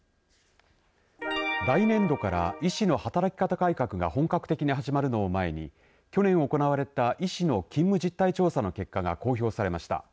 来年度から医師の働き方改革が本格的に始まるのを前に去年行われた医師の勤務実態調査の結果が公表されました。